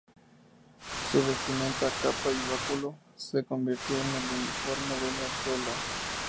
Su vestimenta —capa y báculo— se convirtió en el uniforme de la escuela.